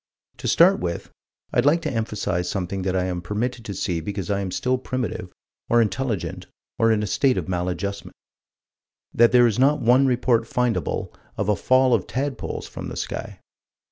To start with, I'd like to emphasize something that I am permitted to see because I am still primitive or intelligent or in a state of maladjustment: That there is not one report findable of a fall of tadpoles from the sky.